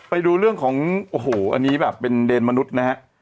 ไปดูเรื่องของโอ้โหอันนี้แบบเป็นเดนมนุษย์นะฮะ